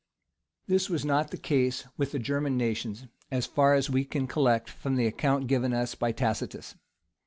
This was not the case with the German nations, as far as we can collect from the account given us by Tacitus.